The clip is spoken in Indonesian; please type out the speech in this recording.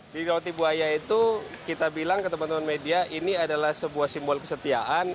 di roti buaya itu kita bilang ke teman teman media ini adalah sebuah simbol kesetiaan